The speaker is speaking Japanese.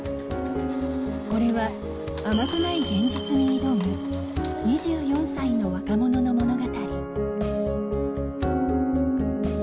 これは甘くない現実に挑む２４歳の若者の物語。